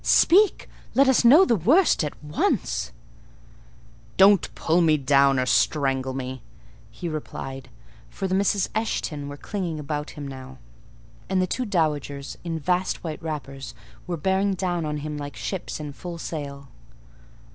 "Speak! let us know the worst at once!" "But don't pull me down or strangle me," he replied: for the Misses Eshton were clinging about him now; and the two dowagers, in vast white wrappers, were bearing down on him like ships in full sail.